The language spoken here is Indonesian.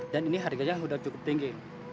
dan ini harganya sudah cukup tinggi